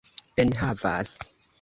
enhavas